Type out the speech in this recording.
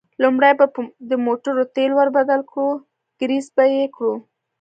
لومړی به د موټرو تېل ور بدل کړو، ګرېس به یې کړو.